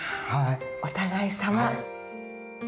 お互いさま。